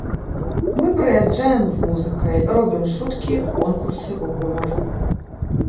Мы прыязджаем з музыкай, робім шуткі, конкурсы, гумар.